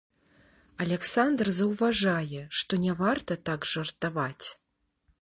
Аляксандр заўважае, што не варта так жартаваць.